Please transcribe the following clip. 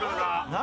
何？